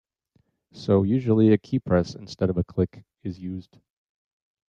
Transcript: So usually a keypress instead of a click is used.